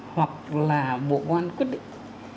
hoặc là bộ quan quyết định